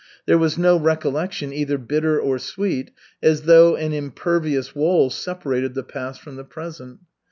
There was no recollection, either bitter or sweet, as though an impervious wall separated the past from the present.